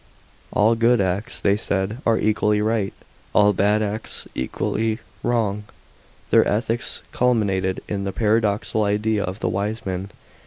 All good acts, they said, are equally right, all bad acts equally wron^. Their ethics culminated in the paradoxical idea of the wise man.